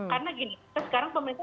karena gini sekarang pemerintah